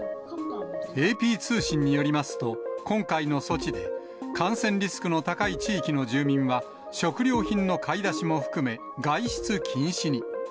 ＡＰ通信によりますと、今回の措置で、感染リスクの高い地域の住民は、食料品の買い出しも含め、外出禁止に。